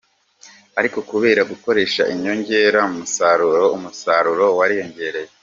Ariko kubera gukoresha inyongera musaruro, umusaruro wariyongereye.